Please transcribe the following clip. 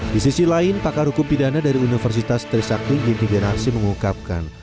di sisi lain pakar hukum pidana dari universitas trisakling yang digerasi mengungkapkan